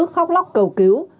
khóc lóc cầu cứu